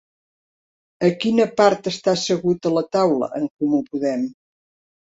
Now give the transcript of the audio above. A quina part està assegut a la taula En Comú Podem?